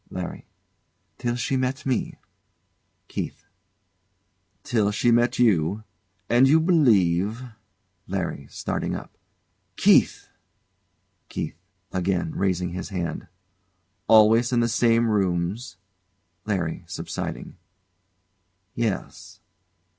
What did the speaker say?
LARRY. Till she met me. KEITH. Till, she met you? And you believe ? LARRY. [Starting up] Keith! KEITH. [Again raising his hand] Always in the same rooms? LARRY. [Subsiding] Yes.